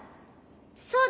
そうだ！